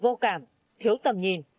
vô cảm thiếu tầm nhìn